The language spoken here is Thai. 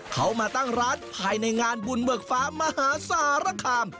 เขามาตั้งร้านภายในงานบุญเบิกฟ้ามหาสารคาม